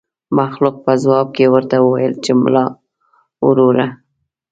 مخلوق په ځواب کې ورته وويل چې ملا وروره.